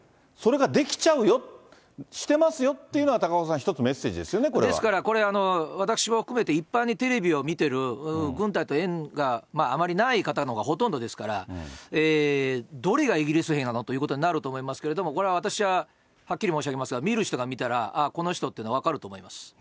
それができちゃうよ、してますよっていうのは高岡さん、一つメッセージですよね、ですからこれ、私も含めて一般にテレビを見てる軍隊と縁があまりないような方がほとんどですから、どれがイギリス兵なのということになると思いますけれども、これは私ははっきり申し上げますが、見る人が見たら、ああ、この人っていうの、分かると思います。